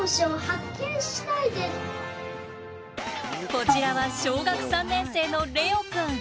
こちらは小学校３年生のれおくん。